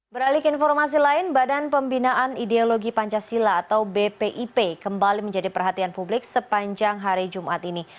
beralik informasi lain badan pembinaan ideologi pancasila atau bpip kembali menjadi perhatian publik sepanjang hari jumat ini